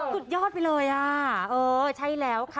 สุดยอดไปเลยอ่ะเออใช่แล้วค่ะ